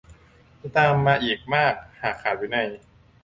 จะตามมาอีกมากหากขาดวินัย